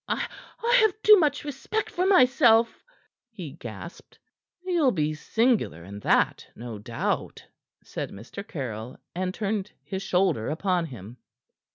"I have too much respect for myself " he gasped. "Ye'll be singular in that, no doubt," said Mr. Caryll, and turned his shoulder upon him.